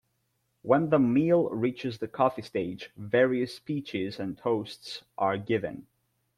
When the meal reaches the coffee stage, various speeches and toasts are given.